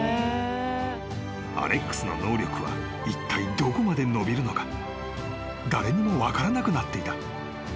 ［アレックスの能力はいったいどこまで伸びるのか誰にも分からなくなっていた］